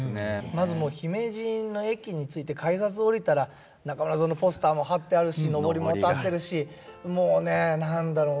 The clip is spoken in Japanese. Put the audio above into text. まずもう姫路の駅に着いて改札降りたら中村座のポスターも貼ってあるしのぼりも立ってるしもうね何だろう